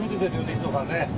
一藤さんね。